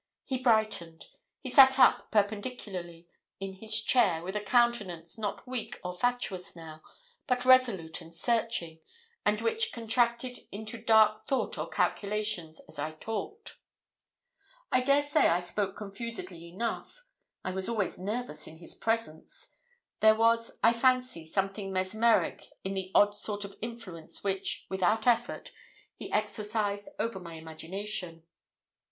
He brightened; he sat up perpendicularly in his chair with a countenance, not weak or fatuous now, but resolute and searching, and which contracted into dark thought or calculation as I talked. I dare say I spoke confusedly enough. I was always nervous in his presence; there was, I fancy, something mesmeric in the odd sort of influence which, without effort, he exercised over my imagination.